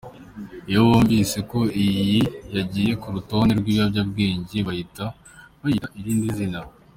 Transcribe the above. Iyo bumvise ko iyi yagiye ku rutonde rw’ibiyobyabwenge bahita bayita irindi zina.